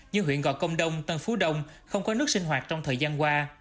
như huyện gò công đông tân phú đông không có nước sinh hoạt trong thời gian qua